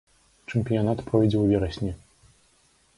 Чэмпіянат пройдзе ў верасні.